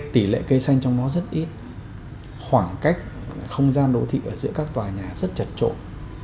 tỷ lệ cây xanh trong nó rất ít khoảng cách không gian đô thị ở giữa các tòa nhà rất chật trội